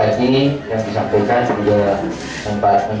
pagi ini yang disampaikan punya tempat tempat ekologi